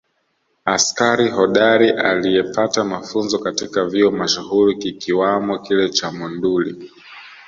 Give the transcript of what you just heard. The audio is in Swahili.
Askari hodari aliyepata mafunzo katika vyuo mashuhuri kikiwamo kile cha Monduli